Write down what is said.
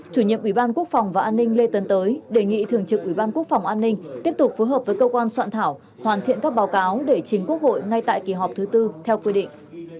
chủ nhiệm ủy ban quốc phòng và an ninh lê tấn tới đề nghị thường trực ủy ban quốc phòng an ninh tiếp tục phối hợp với cơ quan soạn thảo hoàn thiện các báo cáo để chính quốc hội ngay tại kỳ họp thứ tư theo quy định